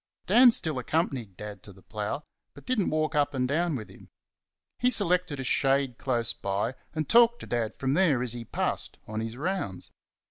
Dan still accompanied Dad to the plough; but did n't walk up and down with him. He selected a shade close by, and talked to Dad from there as he passed on his rounds.